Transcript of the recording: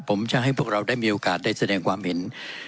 ผมจะให้พวกเราได้มีโอกาสได้แสดงความเห็น